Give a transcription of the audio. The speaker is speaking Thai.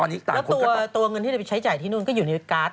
ตอนนี้ตัวเงินที่จะไปใช้จ่ายที่นู่นก็อยู่ในการ์ด